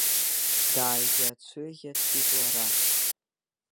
Дааӷьаҵәыӷьаҵәит лара.